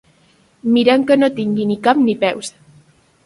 Mirem que no tingui ni cap ni peus.